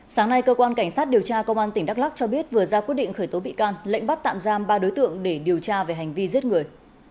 sáng nay cơ quan cảnh sát điều tra công an tỉnh đắk lắc cho biết vừa ra quyết định khởi tố bị can lệnh bắt tạm giam ba đối tượng để điều tra về hành vi giết người